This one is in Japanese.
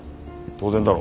当然だろ。